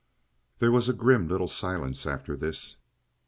There was a grim little silence after this.